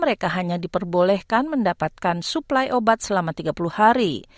mereka hanya diperbolehkan mendapatkan suplai obat selama tiga puluh hari